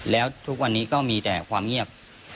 แล้วทุกวันนี้ก็มีแต่ความเงียบ